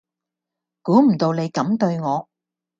估唔到你咁對我